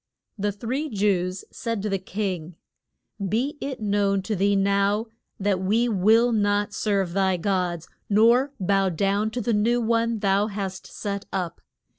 The three Jews said to the king, Be it known to thee now that we will not serve thy gods, nor bow down to the new one thou hast set up.